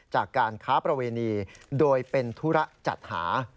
จากการค้าประเวณีโดยเป็นธุระจัดหา